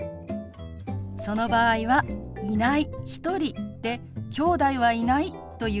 その場合は「いない」「一人」で「きょうだいはいない」という意味よ。